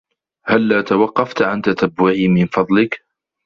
هلا توقفت عن تتبعي من فضلك